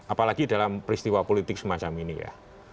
apalagi dalam peristiwa politik semacam ini ya